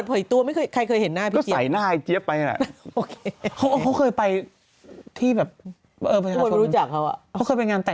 ได้เปิดปริตูกันบนนะ